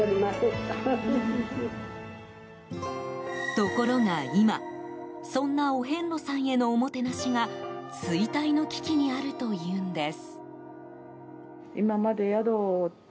ところが今そんなお遍路さんへのおもてなしが衰退の危機にあるというんです。